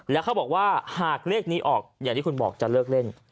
แล้วเขาบอกว่าหากเลขนี้ออกอย่างที่คุณบอกจะเลิกเล่น